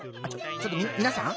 ちょっとみなさん。